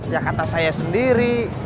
ya kata saya sendiri